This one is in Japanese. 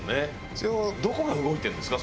それはどこが動いてるんですか？